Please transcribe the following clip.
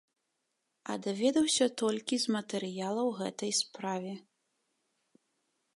А даведаўся толькі з матэрыялаў гэтай справе.